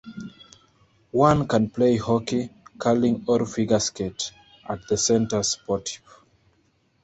One can play hockey, curling or figure skate at the "Centre sportif".